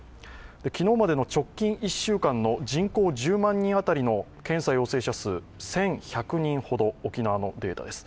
昨日までの直近１週間の人口１０万人当たりの検査陽性者数、１１００人ほど、沖縄のデータです。